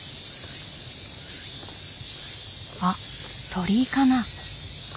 あっ鳥居かな？